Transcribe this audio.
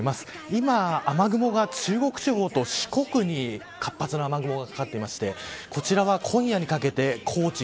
今、雨雲が中国地方と四国に活発な雨雲がかかっていましてこちらは今夜にかけて高知、